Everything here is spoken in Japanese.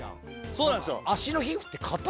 そうなんですよ。